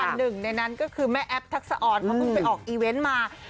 หนึ่งในนั้นก็คือแม่แอปทักษะออนเขาเพิ่งไปออกอีเวนต์มา